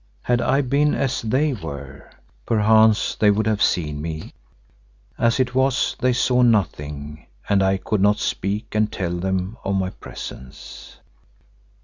Had I been as they were perchance they would have seen me, as it was they saw nothing and I could not speak and tell them of my presence.